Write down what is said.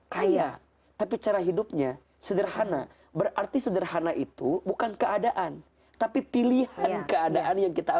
kaya tapi cara hidupnya sederhana berarti sederhana itu bukan keadaan tapi pilihan keadaan yang kita